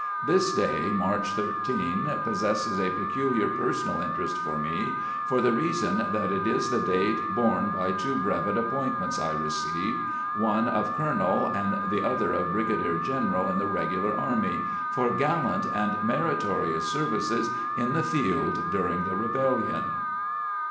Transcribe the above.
This day (March 13) possesses a peculiar personal interest for me, for the reason that it is the date borne by two brevet appointments I received — one of colonel and the other of brigadier general in the regular army — for "gallant and meritorious services in the field during the rebellion."